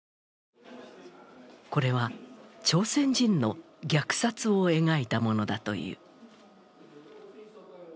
これは朝鮮人の虐殺を描いたものだという。